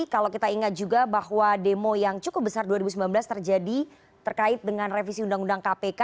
kalau kita ingat juga bahwa demo yang cukup besar dua ribu sembilan belas terjadi terkait dengan revisi undang undang kpk